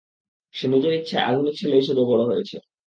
সে নিজের ইচ্ছায় আধুনিক ছেলে হিসেবে বড় হয়েছে।